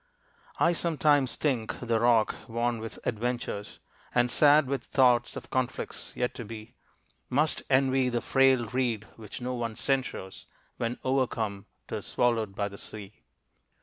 I sometimes think the rock worn with adventures, And sad with thoughts of conflicts yet to be, Must envy the frail reed which no one censures, When overcome 'tis swallowed by the sea.